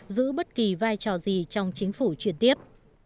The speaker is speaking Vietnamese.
giữ bất kỳ vai trò gì trong chính phủ chuyển tiếp